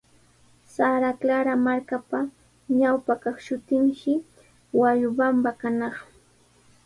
Santa Clara markapa ñawpa kaq shutinshi Huayobamba kanaq.